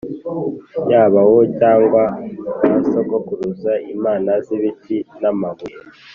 yaba wowe cyangwa ba sokuruza, imana z’ibiti n’amabuye